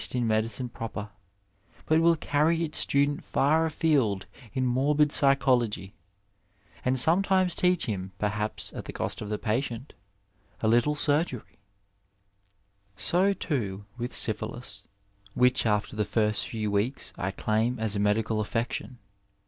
139 Digitized by Google INTERNAL MEDICINE AS A VOCATION proper, but will cany its student &r afield in morbid psychology, and sometimes teach him, perhaps at the cost of the patient, a little suigeiy. So, too, with syphilis, which after the first few weeks I daim as a medical affection.